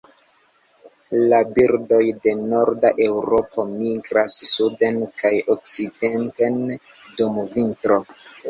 La birdoj de norda Eŭropo migras suden kaj okcidenten dum vintro.